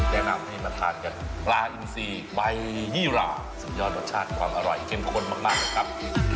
แนะนำให้มาทานกันปลาอินซีใบยี่หราสุดยอดรสชาติความอร่อยเข้มข้นมากเลยครับ